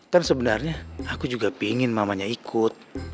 kan sebenarnya aku juga pingin mamanya ikut